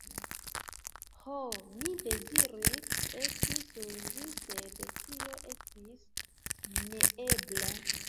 Ho! mi deziris esti sur ĝi, sed tio estis neebla.